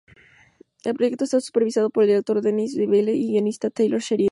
El proyecto está supervisado por el director Denis Villeneuve y el guionista Taylor Sheridan.